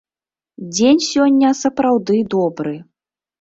Дзень сёння сапраўды добры.